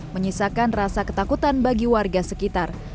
menyisakan rasa ketakutan bagi warga sekitar